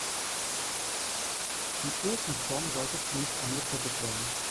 Die Ofenform sollte zunächst eingefettet werden.